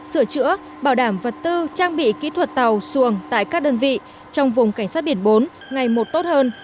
sửa chữa bảo đảm vật tư trang bị kỹ thuật tàu xuồng tại các đơn vị trong vùng cảnh sát biển bốn ngày một tốt hơn